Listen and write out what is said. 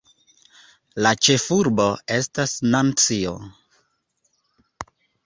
La ĉefurbo estas Nancio.